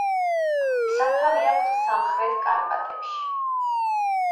სათავე აქვს სამხრეთ კარპატებში.